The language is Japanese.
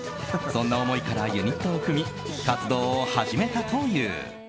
そんな思いからユニットを組み活動を始めたという。